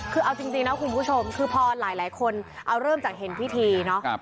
คือเอาจริงนะคุณผู้ชมคือพอหลายคนเอาเริ่มจากเห็นพิธีเนาะ